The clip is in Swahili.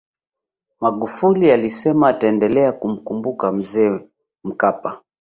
magufuli alisema ataendelea kumkumbuka mzee mkapa